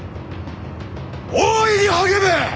大いに励め！